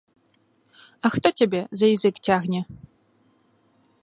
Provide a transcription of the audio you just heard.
А хто цябе за язык цягне?